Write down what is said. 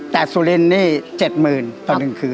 แต่สุเร็จนี่๗๐๐๐๐ตอนหนึ่งคืน